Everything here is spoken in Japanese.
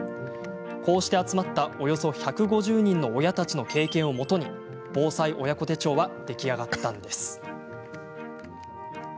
こうして集まったおよそ１５０人の親たちの経験をもとに、防災おやこ手帳は出来上がったのです。